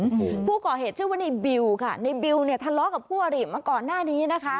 อืมผู้ก่อเหตุชื่อว่าในบิวค่ะในบิวเนี่ยทะเลาะกับคู่อริมาก่อนหน้านี้นะคะ